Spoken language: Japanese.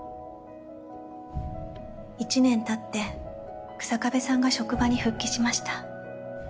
１年たって日下部さんが職場に復帰しました。